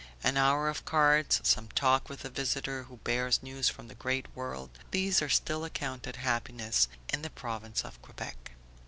An hour of cards, some talk with a visitor who bears news from the great world, these are still accounted happiness in the Province of Quebec.